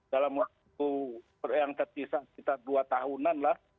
dalam waktu yang terpisah sekitar dua tahunan lah